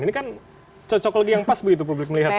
ini kan cocok lagi yang pas begitu publik melihatnya